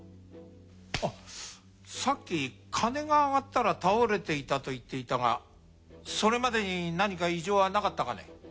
あっさっき鐘が上がったら倒れていたと言っていたがそれまでに何か異常はなかったかね？